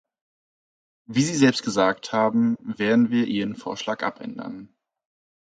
Wie Sie selbst gesagt haben, werden wir Ihren Vorschlag abändern.